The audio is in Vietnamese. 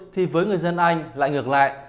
thì với người dân anh lại ngược lại